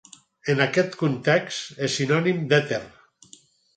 En aquest context és sinònim d'èter.